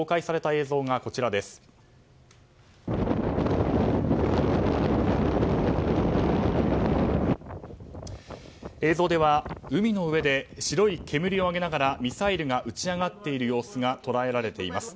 映像では海の上で白い煙を上げながらミサイルが撃ち上がっている様子が捉えられています。